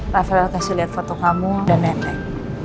rafael kasih liat foto kamu dan netek